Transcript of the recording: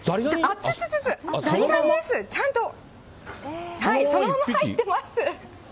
ちゃんとそのまま入ってます。